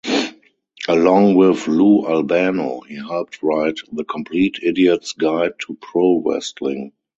Along with Lou Albano, he helped write The Complete Idiot's Guide to Pro Wrestling.